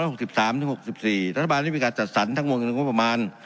ในช่วงปีประมาณ๒๐๒๓๖๔รัฐบาลมีการจัดสรรทั้งมวลเงินการประมาณ